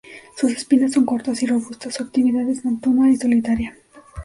Sus espinas son cortas y robustas, su actividad es nocturna y solitaria.